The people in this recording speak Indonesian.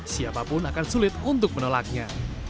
siapapun akan sulit untuk menolaknya